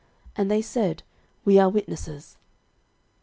And they said, We are witnesses.